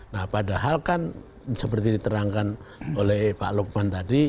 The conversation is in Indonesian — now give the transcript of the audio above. nah padahal kan seperti diterangkan oleh pak lukman tadi